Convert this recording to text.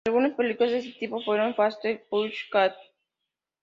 Algunas películas de este tipo fueron "Faster, Pussycat!